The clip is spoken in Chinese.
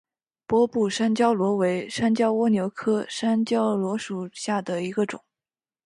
波部山椒螺为山椒蜗牛科山椒螺属下的一个种。